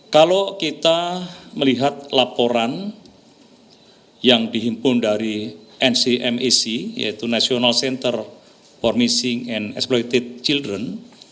kalau kita melihat laporan yang dihimpun dari ncmac yaitu national center formissing and exploited children